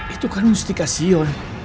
itu kan mustiqasyian